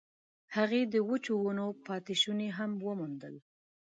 هغې د وچو ونو پاتې شوني هم وموندل.